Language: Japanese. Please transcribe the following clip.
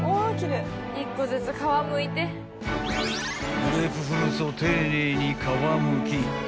［グレープフルーツを丁寧に皮むき］